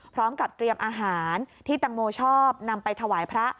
พร้อมกับเตรียมอาหารที่ตังโมชอบนำไปถวายพระ